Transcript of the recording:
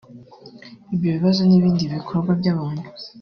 Ibyo bibazo n’ibindi bikorwa bya muntu